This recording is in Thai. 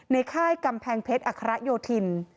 ในค่ายกำแพงเพชรอโยธิน